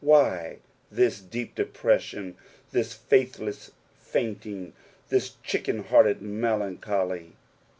Why this deep depression, this faithless fainting, thb chick en hearted melancholy?